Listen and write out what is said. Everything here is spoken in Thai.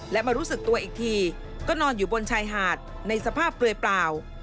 และมารู้สึกตัวอีกทีก็นอนอยู่บนชายหาดในสภาพเปลือยเปล่า